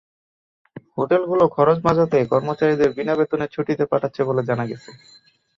হোটেলগুলো খরচ বাঁচাতে কর্মচারীদের বিনা বেতনে ছুটিতে পাঠাচ্ছে বলে জানা গেছে।